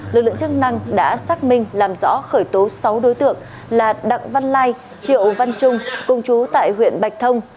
lực lượng chức năng đã xác minh làm rõ khởi tố sáu đối tượng là đặng văn lai triệu văn trung cùng chú tại huyện bạch thông